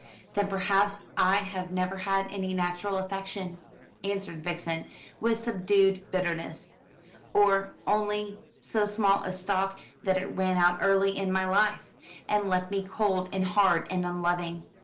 "Then perhaps I have never had any natural affection," answered Vixen, with subdued bitterness; "or only so small a stock that it ran out early in my life, and left me cold and hard and unloving.